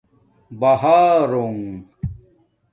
بہارنݣ